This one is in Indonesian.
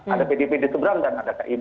ada pdp di seberang dan ada kib